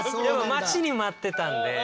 待ちに待ってたんで。